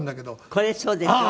これそうでしょ？